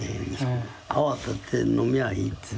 泡立てて飲みゃいいっていう。